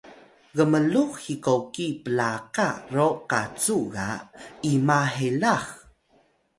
gmlux hikoki plaka ro kacu ga ima helax?